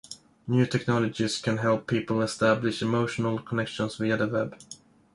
New technologies can help people establish "emotional connections" via the web.